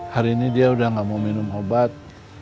hari ini dia udah gak mau minum obat